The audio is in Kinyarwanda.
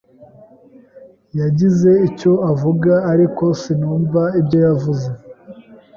yagize icyo avuga, ariko sinumva ibyo yavuze.